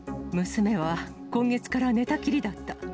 娘は今月から寝たきりだった。